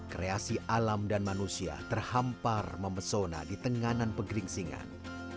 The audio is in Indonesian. kreasi alam dan manusia terhampar memesona di tenganan pegeringsingan